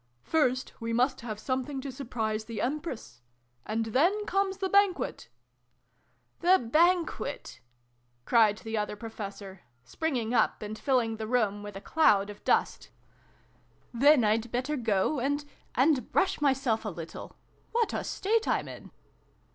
" First, we must have something to surprise the Empress. And then comes the Banquet " The Banquet !" cried the Other Professor, springing up, and filling the room with a cloud 318 SYLVIE AND BRUNO CONCLUDED. of dust. Then I'd better go and and brush myself a little. What a state I'm in